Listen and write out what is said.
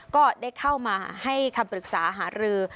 ก็ได้เข้ามาให้คำปรึกษาหารือ